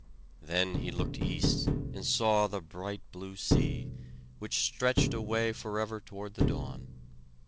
Then he looked east and saw the bright blue sea, which stretched away forever toward the dawn.